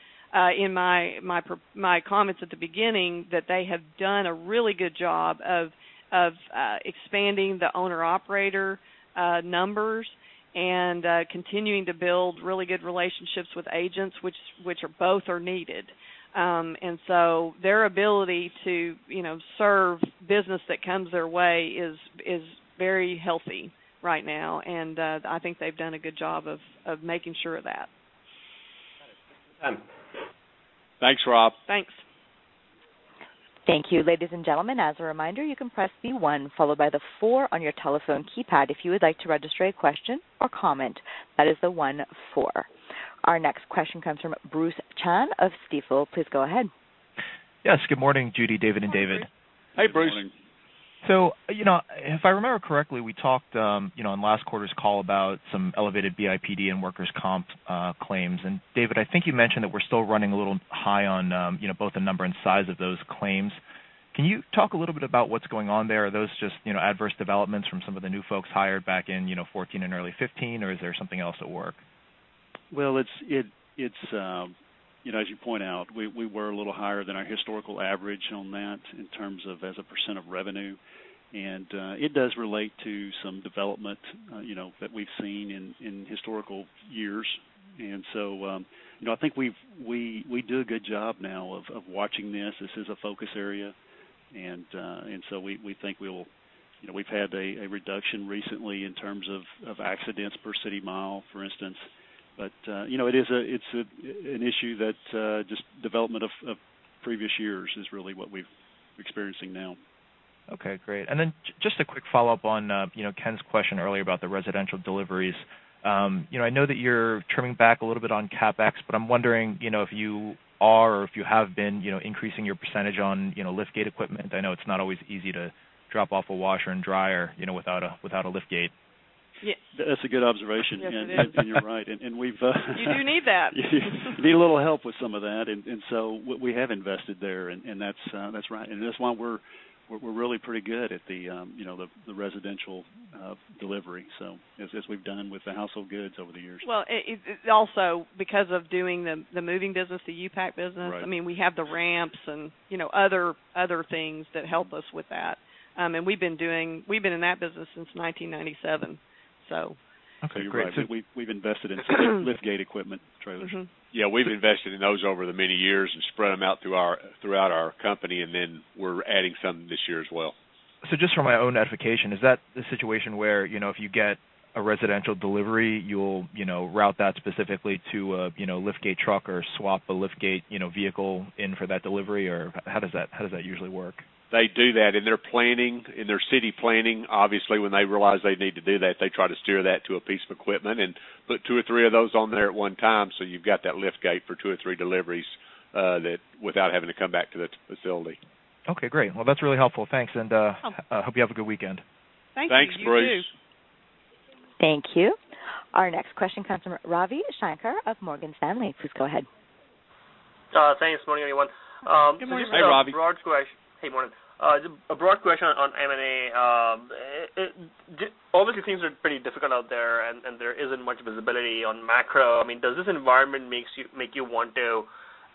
Speaker 2: in my comments at the beginning that they have done a really good job of expanding the owner-operator numbers and continuing to build really good relationships with agents, which both are needed. And so their ability to serve business that comes their way is very healthy right now. And I think they have done a good job of making sure of that.
Speaker 11: Got it.
Speaker 3: Thanks, Rob.
Speaker 2: Thanks.
Speaker 1: Thank you. Ladies and gentlemen, as a reminder, you can press the one followed by the four on your telephone keypad if you would like to register a question or comment. That is the one four. Our next question comes from Bruce Chan of Stifel. Please go ahead.
Speaker 12: Yes. Good morning, Judy, David, and David.
Speaker 3: Hey, Bruce.
Speaker 12: If I remember correctly, we talked on last quarter's call about some elevated BIPD and workers' comp claims. David, I think you mentioned that we are still running a little high on both the number and size of those claims. Can you talk a little bit about what is going on there? Are those just adverse developments from some of the new folks hired back in 2014 and early 2015, or is there something else at work?
Speaker 3: Well, as you point out, we were a little higher than our historical average on that in terms of as a percent of revenue. And it does relate to some development that we have seen in historical years. And so I think we do a good job now of watching this. This is a focus area. And so we think we have had a reduction recently in terms of accidents per city mile, for instance. But it is an issue that just development of previous years is really what we are experiencing now.
Speaker 12: Okay. Great. And then just a quick follow-up on Ken's question earlier about the residential deliveries. I know that you are trimming back a little bit on CapEx, but I am wondering if you are or if you have been increasing your percentage on liftgate equipment. I know it is not always easy to drop off a washer and dryer without a liftgate.
Speaker 3: Yeah. That is a good observation. You are right. We have.
Speaker 2: You do need that.
Speaker 3: Need a little help with some of that. We have invested there, and that is right. That is why we are really pretty good at the residential delivery, so as we have done with the household goods over the years.
Speaker 2: Well, also because of doing the moving business, the U-Pack business. I mean, we have the ramps and other things that help us with that. We have been in that business since 1997, so.
Speaker 3: Okay. You are right. So we have invested in some liftgate equipment, trailers. Yeah. We have invested in those over the many years and spread them out throughout our company. And then we are adding some this year as well.
Speaker 12: So just for my own edification, is that the situation where if you get a residential delivery, you will route that specifically to a liftgate truck or swap a liftgate vehicle in for that delivery, or how does that usually work?
Speaker 3: They do that in their planning, in their city planning. Obviously, when they realize they need to do that, they try to steer that to a piece of equipment and put two or three of those on there at one time so you have got that liftgate for two or three deliveries without having to come back to the facility.
Speaker 12: Okay. Great. Well, that is really helpful. Thanks. And I hope you have a good weekend.
Speaker 2: Thank you.
Speaker 3: Thanks, Bruce.
Speaker 1: Thank you. Our next question comes from Ravi Shanker of Morgan Stanley. Please go ahead.
Speaker 13: Thanks. Morning, everyone.
Speaker 2: Good morning.
Speaker 3: Hey, Ravi.
Speaker 13: A broad question. Hey. A broad question on M&A. Obviously, things are pretty difficult out there, and there is not much visibility on macro. I mean, does this environment make you want to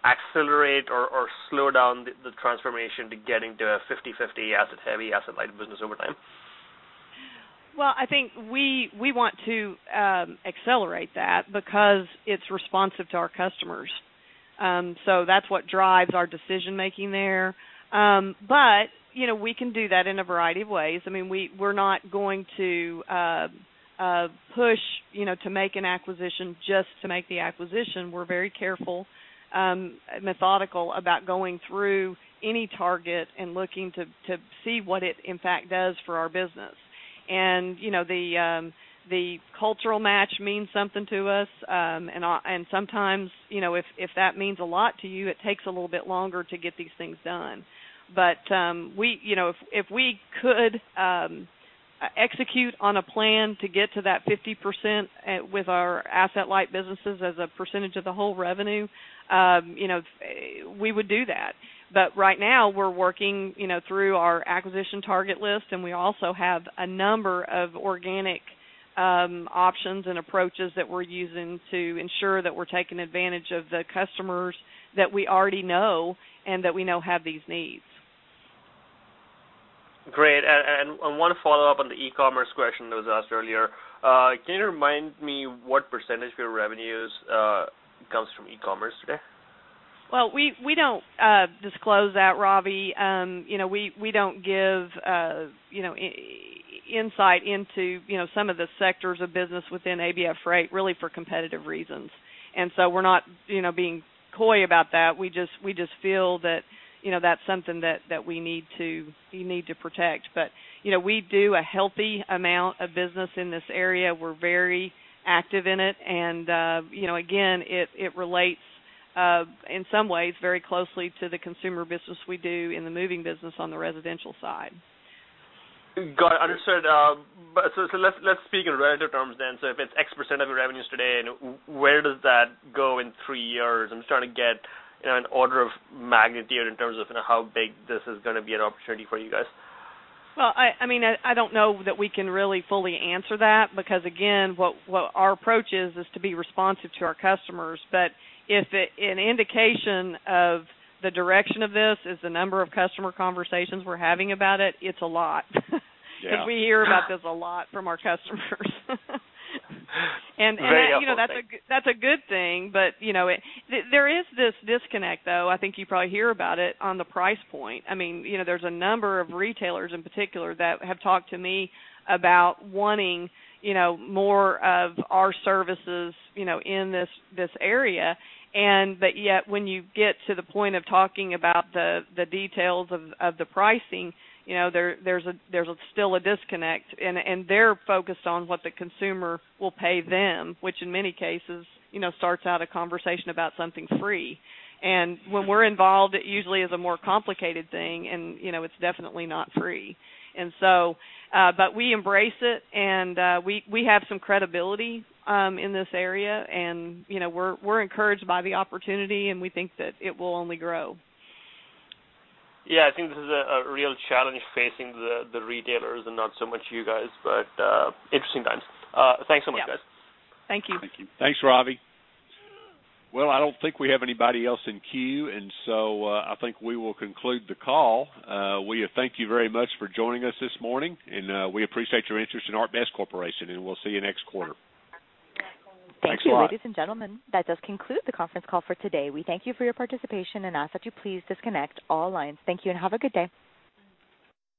Speaker 13: accelerate or slow down the transformation to getting to a 50/50 asset-heavy, asset-light business over time?
Speaker 2: Well, I think we want to accelerate that because it is responsive to our customers. So that is what drives our decision-making there. But we can do that in a variety of ways. I mean, we are not going to push to make an acquisition just to make the acquisition. We are very careful, methodical about going through any target and looking to see what it, in fact, does for our business. And the cultural match means something to us. And sometimes if that means a lot to you, it takes a little bit longer to get these things done. But if we could execute on a plan to get to that 50% with our asset-light businesses as a percentage of the whole revenue, we would do that. But right now, we are working through our acquisition target list, and we also have a number of organic options and approaches that we are using to ensure that we are taking advantage of the customers that we already know and that we know have these needs.
Speaker 13: Great. And one follow-up on the e-commerce question that was asked earlier. Can you remind me what percentage of your revenues comes from e-commerce today?
Speaker 2: Well, we do not disclose that, Ravi. We do not give insight into some of the sectors of business within ABF Freight really for competitive reasons. And so we are not being coy about that. We just feel that that is something that we need to protect. But we do a healthy amount of business in this area. We are very active in it. And again, it relates in some ways very closely to the consumer business we do in the moving business on the residential side.
Speaker 13: Got it. Understood. Let us speak in relative terms then. If it is X% of your revenues today, where does that go in three years? I am just trying to get an order of magnitude in terms of how big this is going to be an opportunity for you guys.
Speaker 2: Well, I mean, I do not know that we can really fully answer that because again, what our approach is is to be responsive to our customers. But if an indication of the direction of this is the number of customer conversations we are having about it, it is a lot because we hear about this a lot from our customers. And that is a good thing. But there is this disconnect, though. I think you probably hear about it on the price point. I mean, there is a number of retailers in particular that have talked to me about wanting more of our services in this area. And but yet, when you get to the point of talking about the details of the pricing, there is still a disconnect. They are focused on what the consumer will pay them, which in many cases starts out a conversation about something free. When we are involved, it usually is a more complicated thing, and it is definitely not free. But we embrace it, and we have some credibility in this area. We are encouraged by the opportunity, and we think that it will only grow.
Speaker 13: Yeah. I think this is a real challenge facing the retailers and not so much you guys. Interesting times. Thanks so much, guys.
Speaker 2: Yeah. Thank you.
Speaker 13: Thank you.
Speaker 3: Thanks, Ravi. Well, I do not think we have anybody else in queue. And so I think we will conclude the call. We thank you very much for joining us this morning, and we appreciate your interest in ArcBest Corporation. And we will see you next quarter. Thanks a lot.
Speaker 1: Thank you, ladies and gentlemen. That does conclude the conference call for today. We thank you for your participation, and ask that you please disconnect all lines. Thank you, and have a good day.